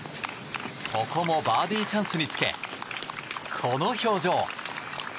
ここもバーディーチャンスにつけこの表情。